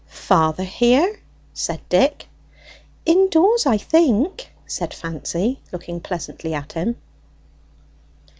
'" "Father here?" said Dick. "Indoors, I think," said Fancy, looking pleasantly at him.